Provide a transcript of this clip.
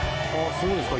そうですか